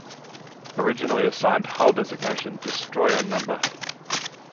Originally assigned hull designation "Destroyer No.